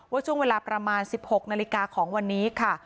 ช่วงเวลาประมาณ๑๖นาฬิกาของวันนี้ค่ะ